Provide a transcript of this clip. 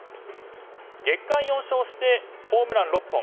月間４勝してホームラン６本。